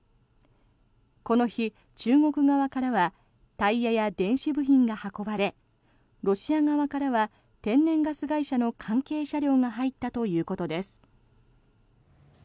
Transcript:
この日、中国側からはタイヤや電子部品が運ばれロシア側からは天然ガス会社の関係車両が入ったということです。